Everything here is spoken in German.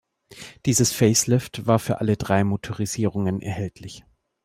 Dieses Facelift war für alle drei Motorisierungen erhältlich.